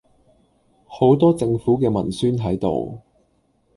好多政府既文宣係度